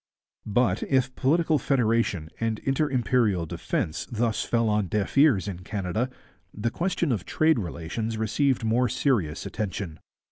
But, if political federation and inter imperial defence thus fell on deaf ears in Canada, the question of trade relations received more serious attention.